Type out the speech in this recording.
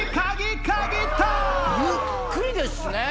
ゆっくりですねぇ。